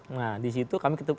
nah di situ kami ketemu